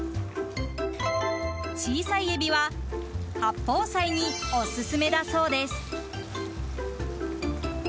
小さいエビは八宝菜にオススメだそうです。